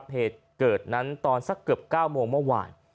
เหตุเกิดนั้นตอนสักเกือบ๙โมงเมื่อวาน